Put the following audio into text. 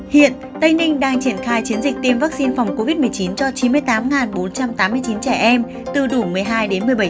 hiện tây ninh đang triển khai chiến dịch tiêm vaccine phòng covid một mươi chín cho chín mươi tám bốn trăm tám mươi chín trẻ em từ đủ một mươi hai đến một mươi bảy